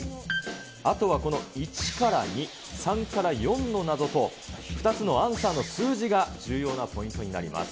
あとはこの１から２、３から４の謎と、２つのＡｎｓｗｅｒの数字が重要なポイントになります。